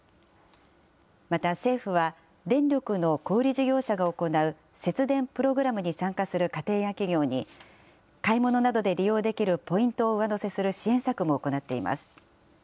また、政府は電力の小売り事業者が行う節電プログラムに参加する家庭や企業に、買い物などで利用できるポイントを上乗せする支援策も行っています。